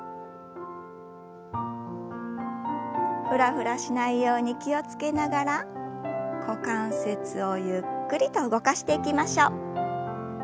フラフラしないように気を付けながら股関節をゆっくりと動かしていきましょう。